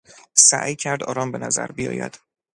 سعی کرد آرام بنظر بیاید.